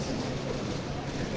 saya berhasil mencoba